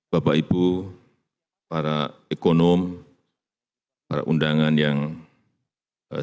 bapak ibu para ekonom para undangan yang saya hormati